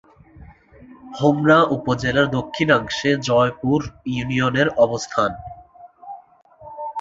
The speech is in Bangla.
হোমনা উপজেলার দক্ষিণাংশে জয়পুর ইউনিয়নের অবস্থান।